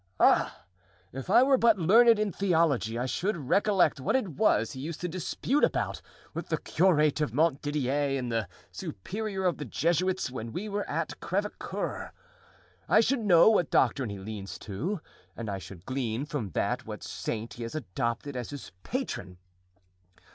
Ah! if I were but learned in theology I should recollect what it was he used to dispute about with the curate of Montdidier and the superior of the Jesuits, when we were at Crevecoeur; I should know what doctrine he leans to and I should glean from that what saint he has adopted as his patron.